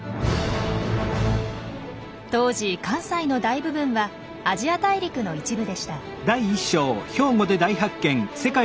当時関西の大部分はアジア大陸の一部でした。